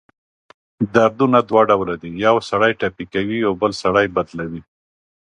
دردونه دوه ډؤله دی: یؤ سړی ټپي کوي اؤ بل سړی بدلؤي.